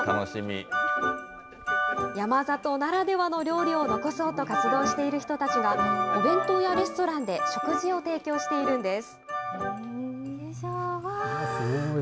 山里ならではの料理を残そうと活動している人たちが、お弁当やレストランで食事を提供しているんです。